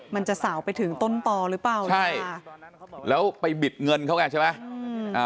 มันจะสาวไปถึงต้นต่อหรือเปล่าใช่ค่ะแล้วไปบิดเงินเขาไงใช่ไหม